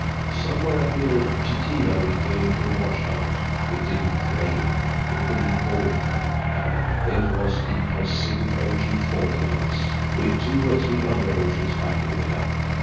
Somewhere up near Chitina we came to a washout. It didn't rain. You couldn't call it that, Alan. It was the Pacific Ocean falling on us, with two or three other oceans backing it up.